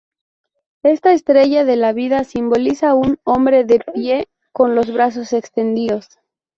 Esta estrella de la vida simboliza un hombre de pie con los brazos extendidos.